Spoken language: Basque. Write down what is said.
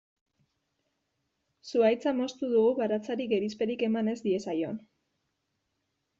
Zuhaitza moztu dugu baratzari gerizperik eman ez diezaion.